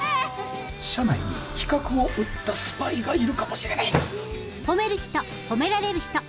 社内に企画を売ったスパイがいるかもしれない。